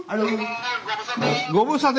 ご無沙汰。